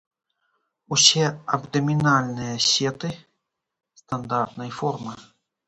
Усе абдамінальныя сеты стандартнай формы.